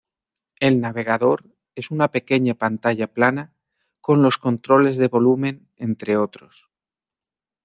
El navegador es una pequeña pantalla plana, con los controles de volumen, entre otros.